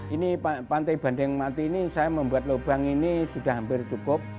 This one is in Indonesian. ini pantai bandeng mati ini saya membuat lubang ini sudah hampir cukup